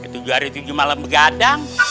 tujuh hari tujuh malam begadang